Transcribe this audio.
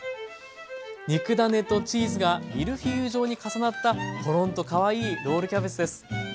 肉ダネとチーズがミルフィーユ状に重なったコロンとかわいいロールキャベツです。